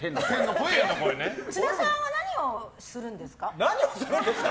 津田さんは何をするんですか？